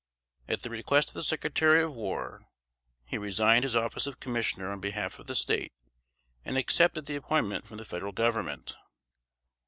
At the request of the Secretary of War, he resigned his office of commissioner on behalf of the State, and accepted the appointment from the Federal Government.